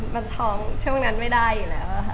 มันท้องช่วงนั้นไม่ได้อยู่แล้วค่ะ